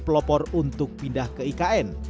pelopor untuk pindah ke ikn